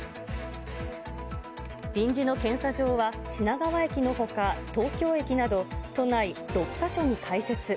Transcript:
臨時の検査場は、品川駅のほか、東京駅など、都内６か所に開設。